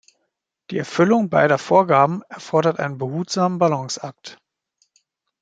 Die Erfüllung beider Vorgaben erfordert einen behutsamen Balanceakt.